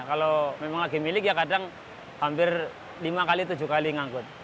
kalau memang lagi milik ya kadang hampir lima kali tujuh kali ngangkut